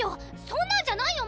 そんなんじゃないよ